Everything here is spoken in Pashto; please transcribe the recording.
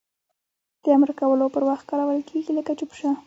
د امر کولو پر وخت کارول کیږي لکه چوپ شه!